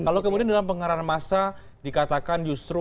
kalau kemudian dalam pengarahan massa dikatakan justru